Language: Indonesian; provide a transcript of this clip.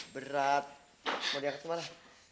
berat mau diangkat kemana